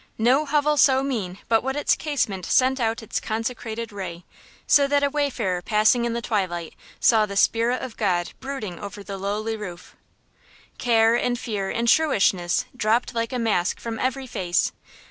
No hovel so mean but what its casement sent out its consecrated ray, so that a wayfarer passing in the twilight saw the spirit of God brooding over the lowly roof. Care and fear and shrewishness dropped like a mask from every face.